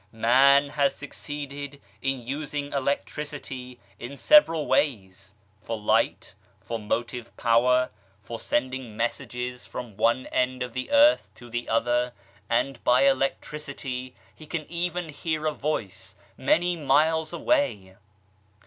Man has succeeded in using electricity in several ways for light, for motive power, for sending messages GOD'S GREATEST GIFT 37 from one end of the earth to the other and by electricity he can even hear a voice many miles away